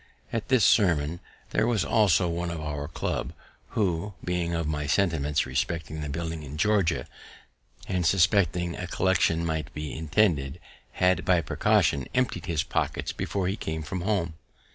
At this sermon there was also one of our club, who, being of my sentiments respecting the building in Georgia, and suspecting a collection might be intended, had, by precaution, emptied his pockets before he came from home.